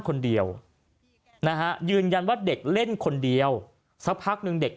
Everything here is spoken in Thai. คนเดียวนะฮะยืนยันว่าเด็กเล่นคนเดียวสักพักหนึ่งเด็ก